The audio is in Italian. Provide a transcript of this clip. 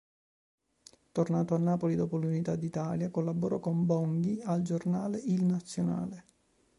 Tornato a Napoli dopo l'unità d'Italia, collaborò con Bonghi al giornale “Il Nazionale”.